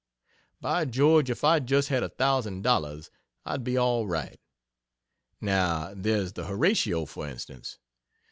By George, if I just had a thousand dollars I'd be all right! Now there's the "Horatio," for instance.